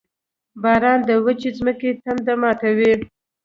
• باران د وچې ځمکې تنده ماتوي.